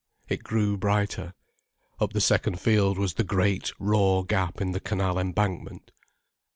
It grew brighter. Up the second field was the great, raw gap in the canal embankment.